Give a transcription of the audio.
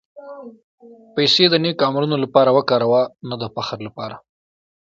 پېسې د نېک عملونو لپاره وکاروه، نه د فخر لپاره.